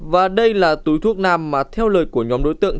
và đây là túi thuốc nam mà theo lời của nhóm đối tượng